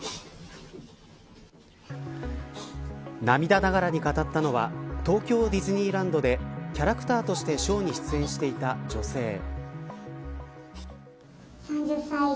涙ながらに語ったのは東京ディズニーランドでキャラクターとしてショーに出演していた女性。